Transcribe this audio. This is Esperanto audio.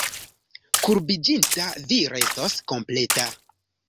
Kurbiĝinta vi restos kompleta.